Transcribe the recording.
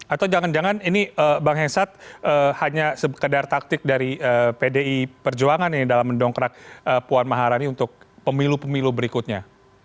atau jangan jangan ini bang hensat hanya sekedar taktik dari pdi perjuangan ini dalam mendongkrak puan maharani untuk pemilu pemilu berikutnya